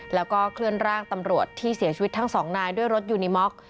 แล้วก็เคลื่อนร่างตำรวจที่เสียชีวิตทั้งสองนายด้วยรถยูนิม็อก